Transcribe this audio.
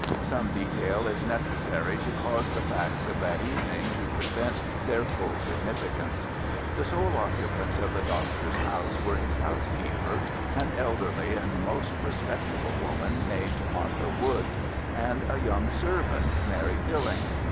Some detail is necessary to cause the facts of that evening to present their full significance. The sole occupants of the doctor's house were his housekeeper, an elderly and most respectable woman, named Martha Woods, and a young servant—Mary Pilling.